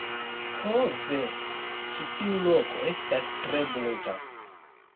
Ho ve! ĉi tiu loko estas tre bunta!